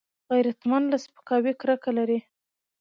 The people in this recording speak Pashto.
غیرتمند له سپکاوي کرکه لري